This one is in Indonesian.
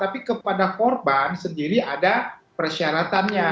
tapi kepada korban sendiri ada persyaratannya